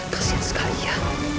kesian sekali ya